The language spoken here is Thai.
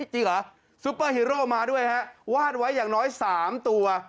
จริงเหรอซุปเปอร์ฮีโร่มาด้วยฮะวาดไว้อย่างน้อย๓ตัว